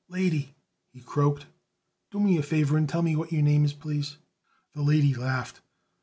"Lady," he croaked, "do me a favor and tell me what is your name, please." The lady laughed.